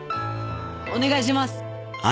お願いします